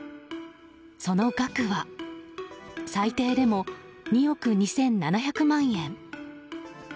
その額は、最低でも２億２７００万円。